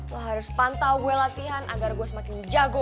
gue harus pantau gue latihan agar gue semakin jago